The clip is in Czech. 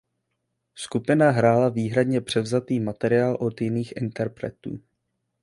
Skupina hrála výhradně převzatý materiál od jiných interpretů.